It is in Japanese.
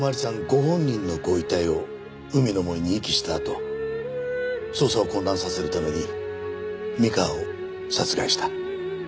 ご本人のご遺体を海の森に遺棄したあと捜査を混乱させるために三河を殺害した。